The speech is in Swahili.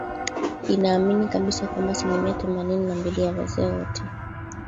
inaamini kabisa kwamba asilimia themanini na mbili ya wazee wote